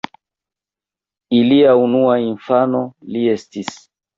Ilia unua infano li estis.